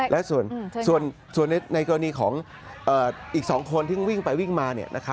และส่วนในกรณีของอีก๒คนที่วิ่งไปวิ่งมา